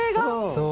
そう。